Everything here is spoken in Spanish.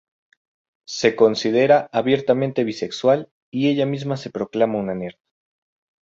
Se considera abiertamente bisexual y ella misma se proclama una nerd.